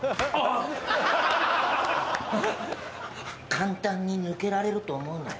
簡単に抜けられると思うなよ。